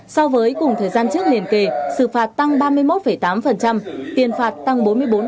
so với cùng thời gian trước liền kề xử phạt tăng ba mươi một tám tiền phạt tăng bốn mươi bốn